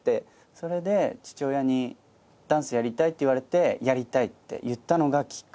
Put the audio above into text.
それで父親に「ダンスやりたい？」って言われてやりたいって言ったのがきっかけ。